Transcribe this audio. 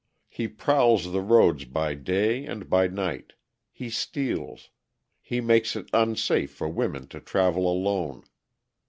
He prowls the roads by day and by night; he steals; he makes it unsafe for women to travel alone.